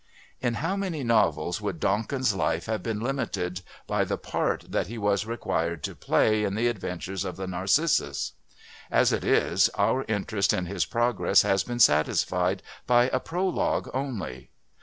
In how many novels would Donkin's life have been limited by the part that he was required to play in the adventures of the Narcissus? As it is our interest in his progress has been satisfied by a prologue only.